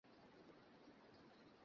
তোমাদের দুজনের কী সুন্দর জুটি হয়েছে।